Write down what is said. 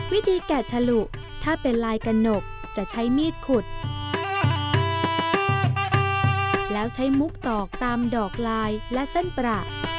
แกะฉลุถ้าเป็นลายกระหนกจะใช้มีดขุดแล้วใช้มุกตอกตามดอกลายและเส้นประ